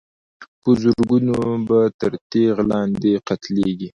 په زرګونو به تر تېغ لاندي قتلیږي